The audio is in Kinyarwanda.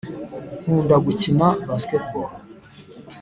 nkunda gukina basketball